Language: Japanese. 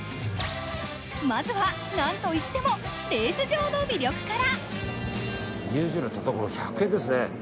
まずは、何といってもレース場の魅力から。